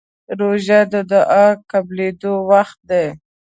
روژه د دعا قبولېدو وخت دی.